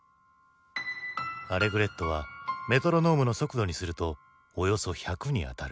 アレグレットはメトロノームの速度にするとおよそ１００にあたる。